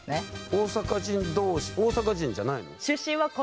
大阪人同士大阪人じゃないの？